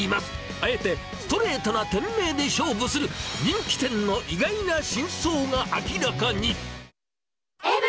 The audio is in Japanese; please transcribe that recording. あえてストレートな店名で勝負する、人気店の意外な真相が明らかに。